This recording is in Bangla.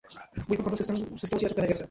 উইপন কন্ট্রোল সিস্টেমও চিড়েচেপ্টা হয়ে গেছে।